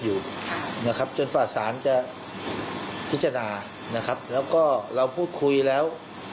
อยู่นะครับจนฝ่าสารจะพิจารณานะครับแล้วก็เราพูดคุยแล้ว